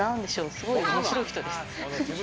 すごく面白い人です。